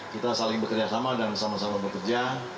kita saling bekerjasama dan sama sama bekerja